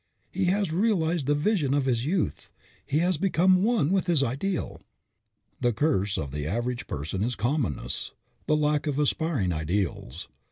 He has realized the Vision of his youth. He has become one with his Ideal." The great curse of the average person is commonness, the lack of aspiring ideals.